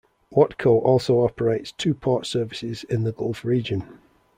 Watco also operates two port services in the Gulf Region.